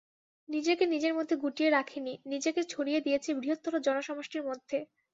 নিজেকে নিজের মধ্যে গুটিয়ে রাখেনি, নিজেকে ছড়িয়ে দিয়েছে বৃহত্তর জনসমষ্টির মধ্যে।